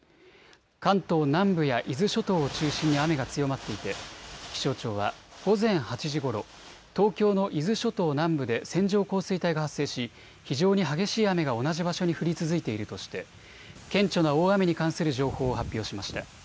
関東南部や伊豆諸島を中心に雨が強まっていて気象庁は午前８時ごろ、東京の伊豆諸島南部で線状降水帯が発生し非常に激しい雨が同じ場所に降り続いているとして顕著な大雨に関する情報を発表しました。